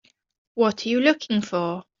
What are you looking for?